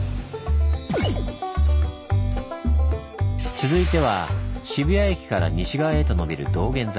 続いては渋谷駅から西側へとのびる道玄坂。